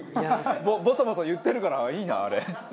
ボソボソ言ってるから「いいなあれ」っつって。